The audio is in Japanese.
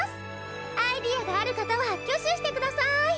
アイデアがある方は挙手して下さい。